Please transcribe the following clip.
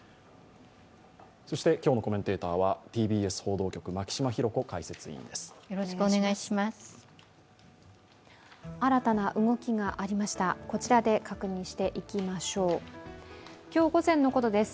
今日のコメンテーターはＴＢＳ報道局・牧嶋博子解説委員です。